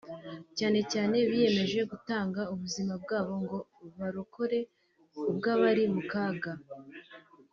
cyane cyane biyemeje gutanga ubuzima bwabo ngo barokore ubw’abari mu kaga